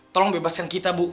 tolong bebaskan kita bu